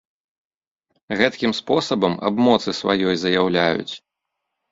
Гэткім спосабам аб моцы сваёй заяўляюць.